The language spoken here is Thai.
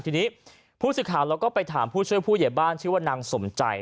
ทีนี้ผู้สื่อข่าวเราก็ไปถามผู้ช่วยผู้ใหญ่บ้านชื่อว่านางสมใจ